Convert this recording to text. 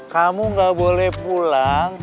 kamu gak boleh pulang